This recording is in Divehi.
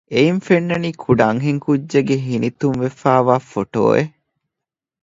އެއިން ފެންނަނީ ކުޑަ އަންހެންކުއްޖެއްގެ ހިނިތުންވެފައިވާ ފޮޓޯއެއް